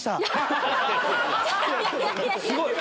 すごい！